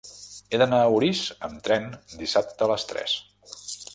He d'anar a Orís amb tren dissabte a les tres.